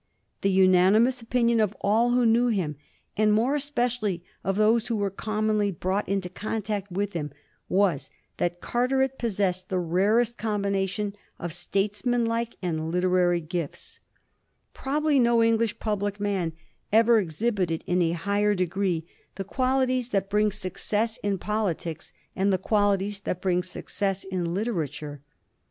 The unanimous opinion of all who knew him, and more especially of those who were commonly brought into contact with him, was that Carteret possessed the rarest combination of statesmanlike and literary gifts. Probably no English public man ever exhibited in a higher degree the qualities that bring Digiti zed by Google 1723 LORD CARTERET. 307 success in politics and the qualities that bring success in literature.